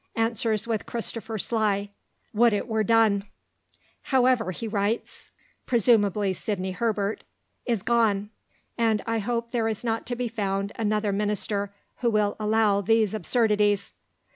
answers with Christopher Sly, "Would it were done." "However," he writes, " (presumably Sidney Herbert) is gone; and I hope there is not to be found another Minister who will allow these absurdities."